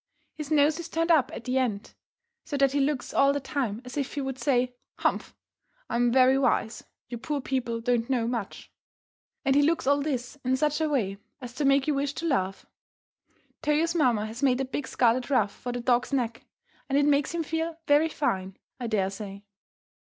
His nose is turned up at the end, so that he looks all the time as if he would say, "Humph! I am very wise. You poor people don't know much." And he looks all this in such a way as to make you wish to laugh. Toyo's mamma has made a big scarlet ruff for the dog's neck, and it makes him feel very fine, I dare say.